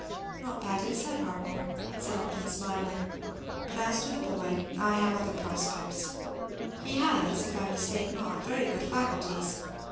"Not badly said, Harcourt," said Upton, smiling; "but as to the boy, I have other prospects. He has, if I mistake not, very good faculties.